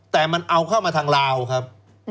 แต่มันเอาเข้ามาทางลาวครับ